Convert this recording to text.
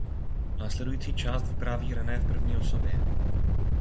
Následující část vypráví René v první osobě.